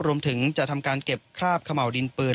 รวมถึงจะทำการเก็บคราบเขม่าวดินปืน